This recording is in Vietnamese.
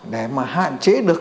để mà hạn chế được